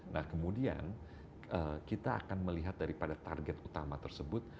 nah kemudian kita akan melihat daripada target utama tersebut